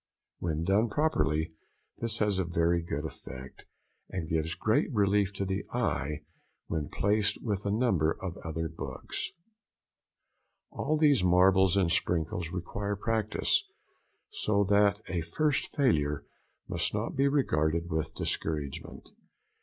When done properly this has a very good effect, and gives great relief to the eye when placed with a number of other books. All these marbles and sprinkles require practice, so that |107| a first failure must not be regarded with discouragement.